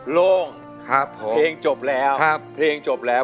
โล่งเพลงจบแล้ว